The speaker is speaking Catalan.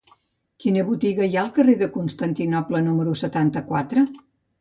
Quina botiga hi ha al carrer de Constantinoble número setanta-quatre?